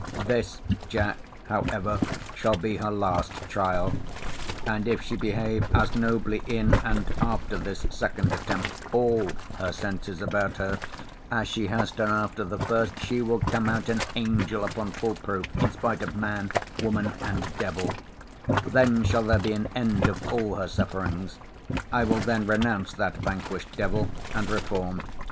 This, Jack, however, shall be her last trial; and if she behave as nobly in and after this second attempt (all her senses about her) as she has done after the first, she will come out an angel upon full proof, in spite of man, woman, and devil: then shall there be an end of all her sufferings. I will then renounce that vanquished devil, and reform.